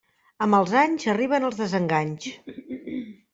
Amb els anys arriben els desenganys.